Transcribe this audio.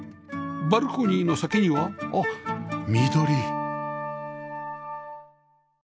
バルコニーの先にはあっ緑